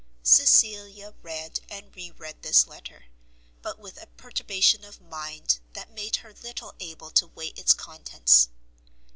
Cecilia read and re read this letter, but with a perturbation of mind that made her little able to weigh its contents.